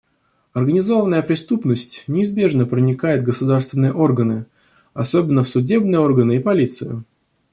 Организованная преступность неизбежно проникает в государственные органы, особенно в судебные органы и полицию.